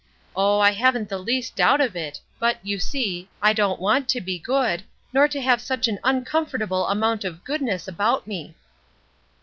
Oh, I haven't the least doubt of it; but, you see, I don't want to be good, nor to have such an uncomfortable amount of goodness about me."